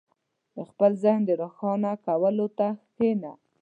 • د خپل ذهن د روښانه کولو ته کښېنه.